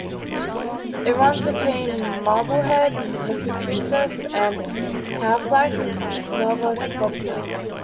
It runs between Marblehead, Massachusetts and Halifax, Nova Scotia.